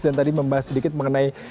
tadi membahas sedikit mengenai